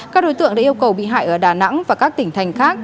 các đối tượng đã yêu cầu bị hại ở đà nẵng và các tỉnh thành khác